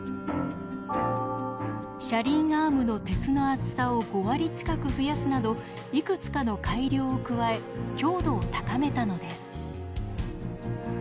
車輪アームの鉄の厚さを５割近く増やすなどいくつかの改良を加え強度を高めたのです。